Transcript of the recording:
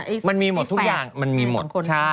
ไอที่เวกัสไอแฟมันมีหมดทุกอย่างมันมีหมดใช่